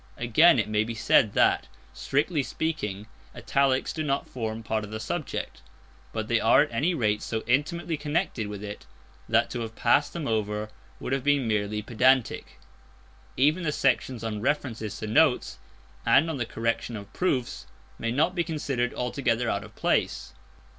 Again, it may be said that, strictly speaking, italics do not form part of the subject. But they are at any rate so intimately connected with it that to have passed them over would have been merely pedantic. Even the sections on references to notes and on the correction of proofs may not be considered altogether out of place.